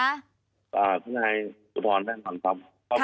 ธนายอุทธรณ์แน่นอนครับ